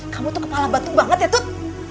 kamu tuh kepala batu banget ya tut